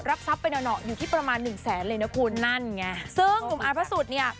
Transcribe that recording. ทรัพย์ไปหน่ออยู่ที่ประมาณหนึ่งแสนเลยนะคุณนั่นไงซึ่งหนุ่มอาร์พระสุทธิ์เนี่ย